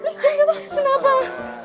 jangan jatuh please